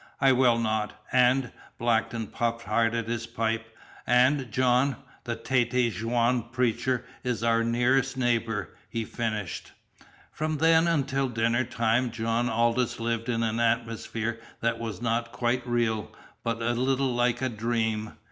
"I will not. And" Blackton puffed hard at his pipe "and, John the Tête Jaune preacher is our nearest neighbour," he finished. From then until dinner time John Aldous lived in an atmosphere that was not quite real, but a little like a dream.